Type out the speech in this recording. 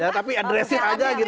ya tapi address it aja gitu